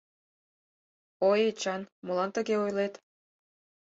— Ой, Эчан, молан тыге ойлет?